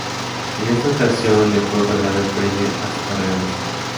En esta ocasión le fue otorgado el premio a su carrera musical.